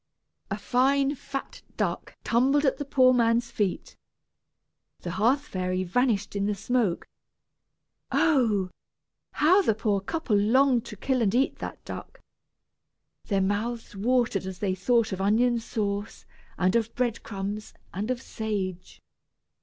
A fine fat duck tumbled at the poor man's feet. The hearth fairy vanished in the smoke. Oh! how the poor couple longed to kill and eat that duck. Their mouths watered as they thought of onion sauce, and of breadcrumbs, and of sage.